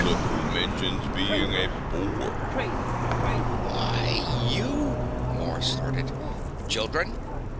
"Look who mentions being a bore." "Why, you " Mars started. "Children!"